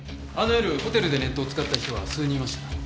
あの夜ホテルでネットを使った人は数人いました。